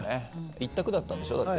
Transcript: １択だったんでしょだって。